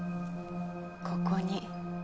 ここに。